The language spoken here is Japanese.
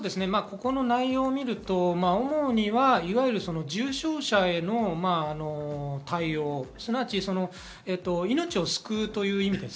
この内容を見ると主には重症者への対応、すなわち命を救うという意味です。